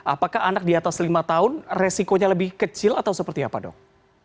apakah anak di atas lima tahun resikonya lebih kecil atau seperti apa dok